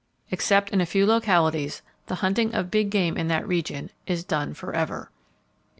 Except in a few localities the hunting of big game in that region is done forever.